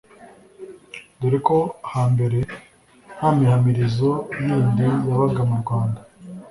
dore ko hambere nta mihamirizo yindi yabaga mu rwanda